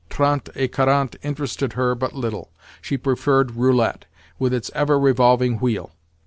Trente et quarante interested her but little; she preferred roulette, with its ever revolving wheel.